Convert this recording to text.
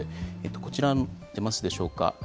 こちら、出ますでしょうか。